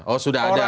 oh sudah ada